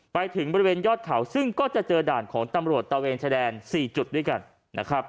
ไปถึงบริเวณยอดเขาซึ่งก็จะเจอด่านของตำรวจตะเวนชายแดน๔จุดด้วยกันนะครับ